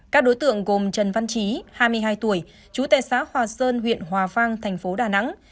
các đối tượng gồm trần văn trí hai mươi hai tuổi chú tệ xã hòa sơn huyện hòa vang thành phố đà nẵng